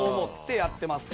知ってます。